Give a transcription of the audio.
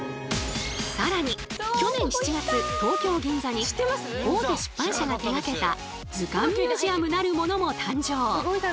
更に去年７月東京・銀座に大手出版社が手がけた「図鑑ミュージアム」なるものも誕生！